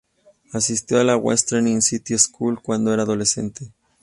Asistió a la Westminster City School cuando era adolescente.